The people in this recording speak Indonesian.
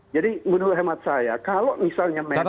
jadi menurut hemat saya kalau misalnya menerima